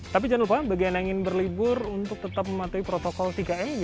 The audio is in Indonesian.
tapi jangan lupa bagi anda yang ingin berlibur untuk tetap mematuhi protokol tiga m